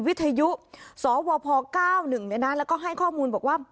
วิทยุสวพ้อเก้าหนึ่งในนั้นแล้วก็ให้ข้อมูลบอกว่า